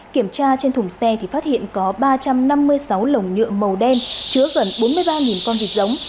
kiểm tra trên thùng xe thì phát hiện có ba trăm năm mươi sáu lồng nhựa màu đen chứa gần bốn mươi ba con vịt giống